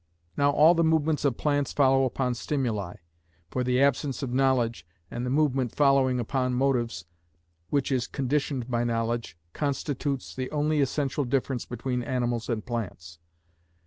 Now all the movements of plants follow upon stimuli; for the absence of knowledge, and the movement following upon motives which is conditioned by knowledge, constitutes the only essential difference between animals and plants.